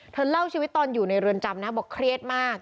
เล่าชีวิตตอนอยู่ในเรือนจำนะบอกเครียดมาก